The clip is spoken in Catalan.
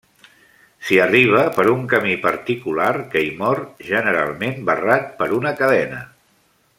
S'hi arriba per un camí particular que hi mor, generalment barrat per una cadena.